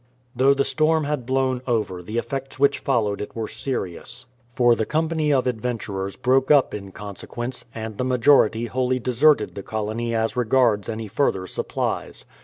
Though the storm had blown over, the effects which followed it were serious; for the company of adventurers broke up in consequence, and the majority wholly deserted the colony as regards any further supplies.